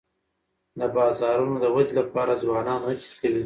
د بازارونو د ودي لپاره ځوانان هڅې کوي.